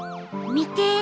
見て！